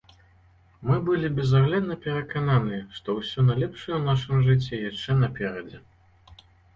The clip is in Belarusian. Мы былі безаглядна перакананыя, што ўсё найлепшае ў нашым жыцці яшчэ наперадзе.